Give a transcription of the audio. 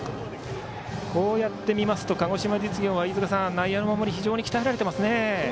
こうやって見ますと鹿児島実業は内野の守りが非常に鍛えられていますね。